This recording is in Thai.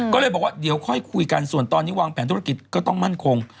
ก็เลยบอกว่าเดี๋ยวค่อยคุยกันส่วนตอนนี้วางแผนธุรกิจก็ต้องมั่นคง